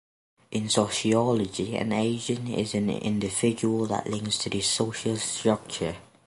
In sociology, an agent is an individual that links to the social structure.